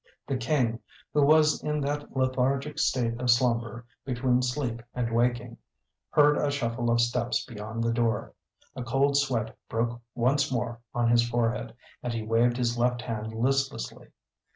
The King, who was in that lethargic state of slumber, between sleep and waking, heard a shuffle of steps beyond the door; a cold sweat broke once more on his forehead, and he waved his left hand listlessly.